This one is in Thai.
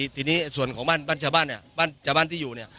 ทีนี้ส่วนของบ้านบ้านชาวบ้านเนี่ยบ้านชาวบ้านที่อยู่เนี่ย